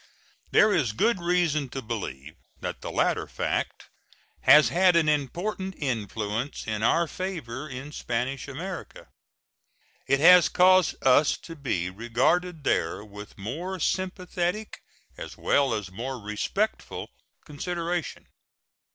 There is good reason to believe that the latter fact has had an important influence in our favor in Spanish America. It has caused us to be regarded there with more sympathetic as well as more respectful consideration.